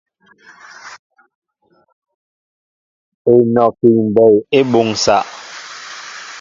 Enɔki mbɛy e boŋsa.